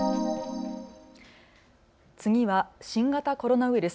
次は新型コロナウイルス。